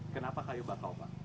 kenapa kayu bakau pak